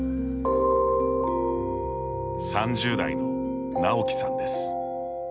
３０代のなおきさんです。